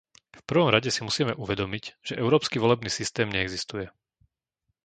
V prvom rade si musíme uvedomiť, že európsky volebný systém neexistuje.